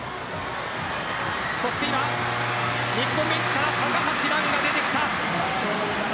そして今、日本ベンチから高橋藍が出てきた。